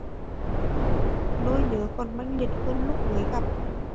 Nỗi nhớ còn mãnh liệt hơn Lúc mới gặp